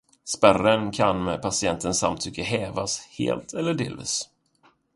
Spärren kan med patientens samtycke hävas helt eller delvis.